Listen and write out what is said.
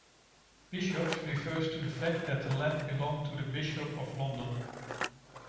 'Bishops' refers to the fact that the land belonged to the Bishop of London.